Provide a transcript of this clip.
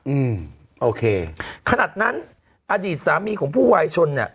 อืมโอเคขนาดนั้นอดีตสามีของผู้วายชนเนี้ย